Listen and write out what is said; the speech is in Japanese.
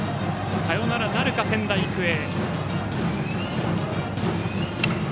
サヨナラなるか、仙台育英。